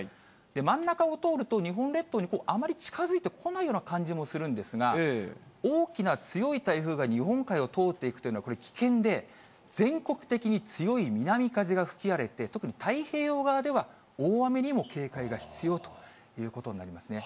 真ん中を通ると、日本列島にあまり近づいてこないような感じもするんですが、大きな強い台風が日本海を通っていくというのは、これ、危険で、全国的に強い南風が吹き荒れて、特に太平洋側では大雨にも警戒が必要ということになりますね。